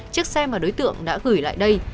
chiếc xe mà đối tượng đã gửi lại đây